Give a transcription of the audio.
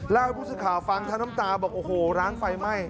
เล่าให้ผู้สึกข่าวฟังท่านต้ำตาบอกโอ้โหล้างไฟไหม้